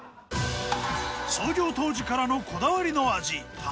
創業当時からのこだわりの味たまご。